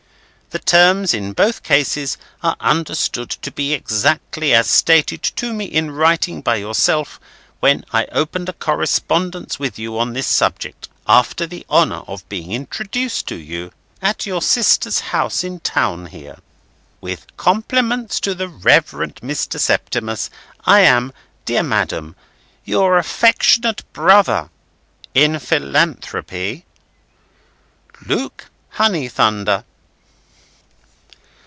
The terms in both cases are understood to be exactly as stated to me in writing by yourself, when I opened a correspondence with you on this subject, after the honour of being introduced to you at your sister's house in town here. With compliments to the Rev. Mr. Septimus, I am, Dear Madam, Your affectionate brother (In Philanthropy), LUKE HONEYTHUNDER.